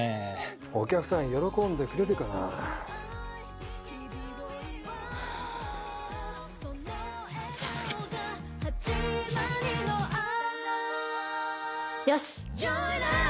お客さん喜んでくれるかなはあよし！